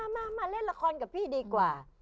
มาเล่นละครกับพี่ดีกว่า